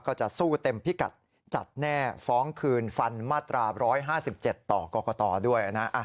ก็จะสู้เต็มพิกัดจัดแน่ฟ้องคืนฟันมาตรา๑๕๗ต่อกรกตด้วยนะ